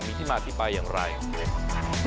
มีที่มาที่ไปอย่างไร